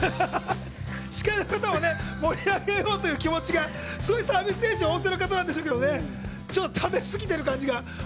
司会の方も盛り上げようという気持ちが、すごいサービス精神旺盛な方なんでしょうけどね、ためすぎてる感じが。